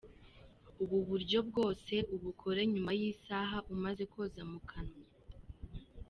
Ubu buryo bwose ubukore nyuma y’isaha umaze koza mu kanwa.